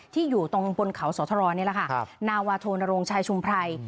อยู่ตรงบนเขาสธรนี่แหละค่ะนาวาโทนโรงชายชุมไพร